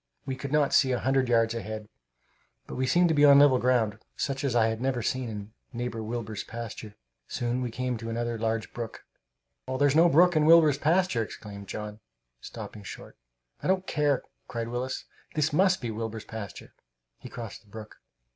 We could not see a hundred yards ahead, but we seemed to be on level ground, such as I had never seen in Neighbor Wilbur's pasture. Soon we came to another large brook. "There's no brook in Wilbur's pasture!" exclaimed John, stopping short. "I don't care!" cried Willis. "This must be Wilbur's pasture!" He crossed the brook.